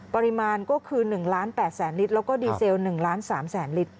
ปริมาณก็คือ๑๘๐๐๐๐๐ลิตรแล้วก็ดีเซล๑๓๐๐๐๐๐ลิตร